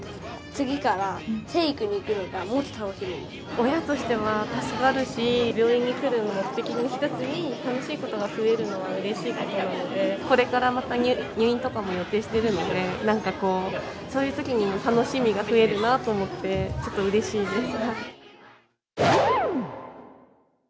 次から成育に行くのがもっと楽し親としては助かるし、病院に来る目的の一つに楽しいことが増えるのはうれしいことなので、これからまた入院とかも予定してるので、なんかこう、そういうときにも楽しみが増えるなと思って、ちょっとうれしいです。